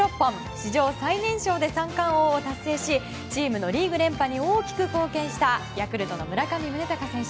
史上最年少で３冠王を達成しチームのリーグ連覇に大きく貢献したヤクルトの村上宗隆選手